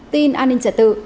tin an ninh trật tự